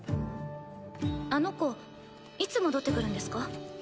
あの子いつ戻ってくるんですか？